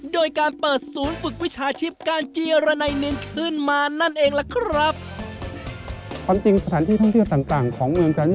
โดยการเปิดศูนย์ฝึกวิชาชีพการเจรนัยนึง